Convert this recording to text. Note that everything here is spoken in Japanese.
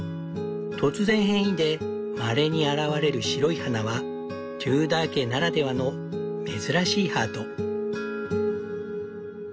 突然変異でまれに現れる白い花はテューダー家ならではの珍しいハート。